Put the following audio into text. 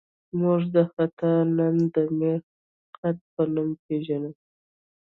موږ دا خط نن د میخي خط په نوم پېژنو.